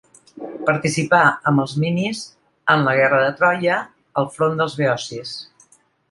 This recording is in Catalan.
Participà, amb els Minies, en la guerra de Troia al front dels beocis.